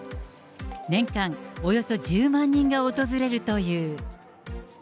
年間およそ１０万人が訪れるという。